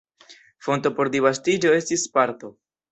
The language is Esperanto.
Fonto por disvastiĝo estis Sparto.